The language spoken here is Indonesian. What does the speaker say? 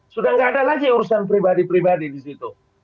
sudah tidak ada lagi urusan pribadi pribadi disitu